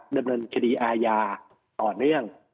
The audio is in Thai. ดำเนินคดีอาญาต่อเนื่อง